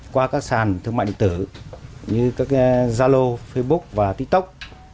qua các sàn thương mại điện tử như các zalo facebook và tiktok